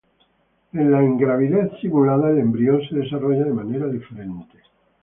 En la ingravidez simulada, el embrión se desarrolla de manera diferente.